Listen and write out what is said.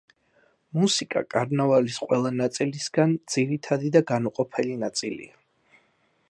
მუსიკა კარნავალის ყველა ნაწილისგან ძირითადი და განუყოფელი ნაწილია.